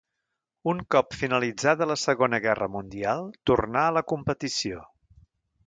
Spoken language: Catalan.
Un cop finalitzada la Segona Guerra Mundial, tornà a la competició.